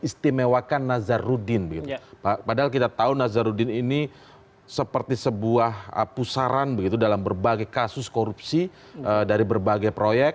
saya tahu nazarudin ini seperti sebuah pusaran dalam berbagai kasus korupsi dari berbagai proyek